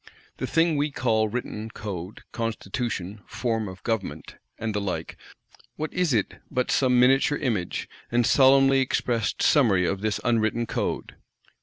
The thing we call written Code, Constitution, Form of Government, and the like, what is it but some miniature image, and solemnly expressed summary of this unwritten Code?